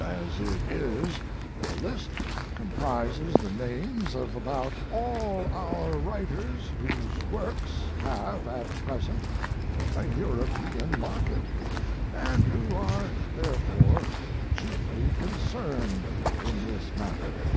As it is, the list comprises the names of about all our writers whose works have at present a European market, and who are therefore chiefly concerned in this matter.